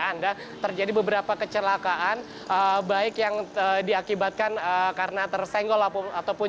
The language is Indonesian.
anda terjadi beberapa kecelakaan baik yang diakibatkan karena tersenggol ataupun